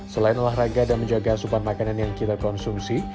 selain olahraga dan menjaga asupan makanan yang kita konsumsi